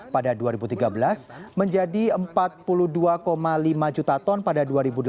pada dua ribu tiga belas menjadi empat puluh dua lima juta ton pada dua ribu delapan belas